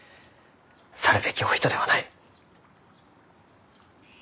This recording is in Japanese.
去るべきお人ではない。